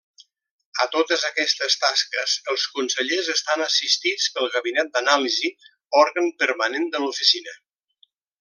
A totes aquestes tasques els Consellers estan assistits pel Gabinet d'Anàlisi, òrgan permanent de l'Oficina.